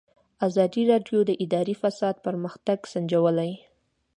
ازادي راډیو د اداري فساد پرمختګ سنجولی.